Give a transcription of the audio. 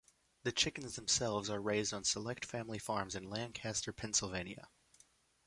The chickens themselves are raised on select family farms in Lancaster, Pennsylvania.